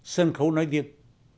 sân khấu nói riêng